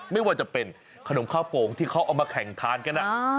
ไม่ว่าจะเป็นขนมข้าวโป่งที่เขาเอามาแข่งทานกัน